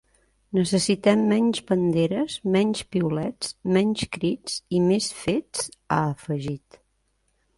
Necessitem menys banderes, menys piulets, menys crits i més fets, ha afegit.